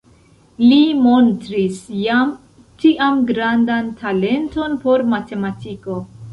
Li montris jam tiam grandan talenton por matematiko.